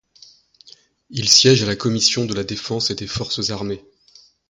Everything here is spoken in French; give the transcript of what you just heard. Il siège à la commission de la défense et des forces armées.